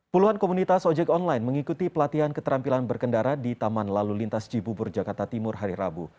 puluhan komunitas ojek online mengikuti pelatihan keterampilan berkendara di taman lalu lintas jibubur jakarta timur hari rabu